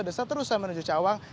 dan seterusnya menuju cawang